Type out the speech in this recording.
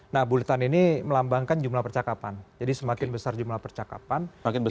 nah bulutan ini melambangkan jumlah percakapan jadi semakin besar jumlah percakapan